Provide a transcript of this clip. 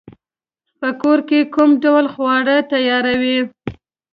په کور کی کوم ډول خواړه تیاروئ؟